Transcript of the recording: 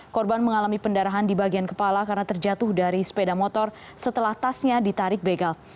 korban mengalami pendarahan di bagian kepala karena terjatuh dari sepeda motor setelah tasnya ditarik begal